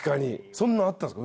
そんなのあったんですか？